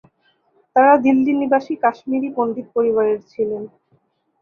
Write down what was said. তারা দিল্লি নিবাসী কাশ্মীরি পণ্ডিত পরিবারের ছিলেন।